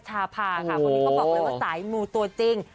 จากเลยก็บอกว่าสายมูตัวจริง